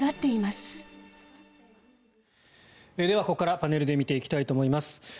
ここからパネルで見ていきたいと思います。